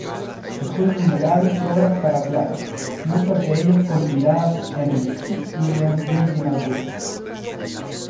Dejó innumerables obras para clave, muchas de ellas compiladas en el "Fitzwilliam Virginal Book".